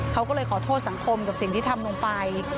เขาก็เลยขอโทษสังคมกับสิ่งที่ทำลงไป